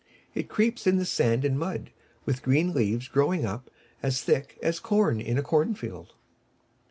It creeps in the sand and mud, with green leaves growing up as thick as corn in a cornfield.